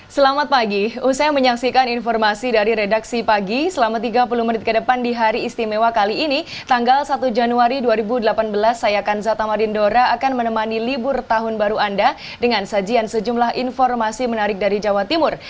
selamat pagi usai menyaksikan informasi dari redaksi pagi selama tiga puluh menit ke depan di hari istimewa kali ini tanggal satu januari dua ribu delapan belas saya kanza tamadindora akan menemani libur tahun baru anda dengan sajian sejumlah informasi menarik dari jawa timur